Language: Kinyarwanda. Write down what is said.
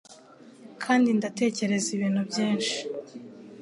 Kandi ndatekereza ibintu byinshi